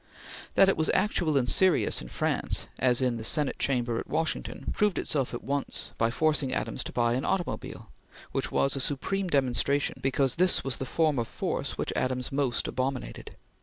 That it was actual and serious in France as in the Senate Chamber at Washington, proved itself at once by forcing Adams to buy an automobile, which was a supreme demonstration because this was the form of force which Adams most abominated.